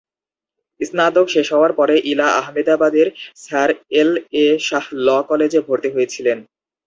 স্নাতক শেষ হওয়ার পরে ইলা আহমেদাবাদের স্যার এল এ শাহ ল কলেজে ভর্তি হয়েছিলেন।